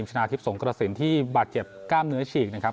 ชนะทิพย์สงกระสินที่บาดเจ็บกล้ามเนื้อฉีกนะครับ